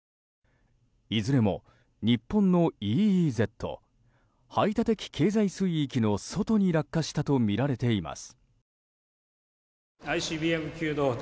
いずれも日本のＥＥＺ・排他的経済水域の外に落下したとみられています。